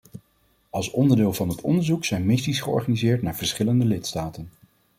Als onderdeel van het onderzoek zijn missies georganiseerd naar verschillende lidstaten.